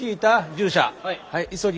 はい。